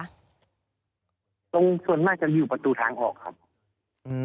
ตรงส่วนมากจะอยู่ประตูทางออกครับอืม